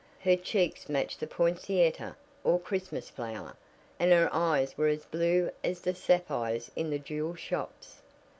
Her cheeks matched the poinsettia, or Christmas flower, and her eyes were as blue as the sapphires in the jewel shops.